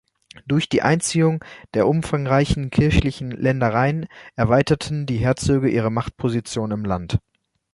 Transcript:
Durch die Einziehung der umfangreichen kirchlichen Ländereien erweiterten die Herzöge ihre Machtposition im Land.